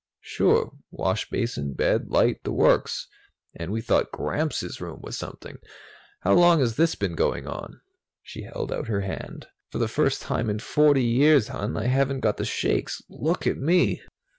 "Sure. Washbasin, bed, light the works. And we thought Gramps' room was something. How long has this been going on?" She held out her hand. "For the first time in forty years, hon, I haven't got the shakes look at me!"